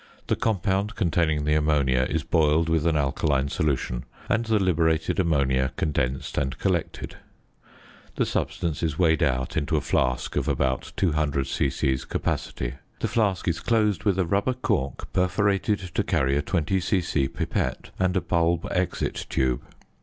The compound containing the ammonia is boiled with an alkaline solution; and the liberated ammonia condensed and collected. The substance is weighed out into a flask of about 200 c.c. capacity. The flask is closed with a rubber cork perforated to carry a 20 c.c. pipette and a bulb exit tube.